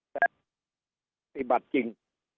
แต่ปฏิบัติจริง